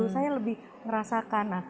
saya lebih merasakan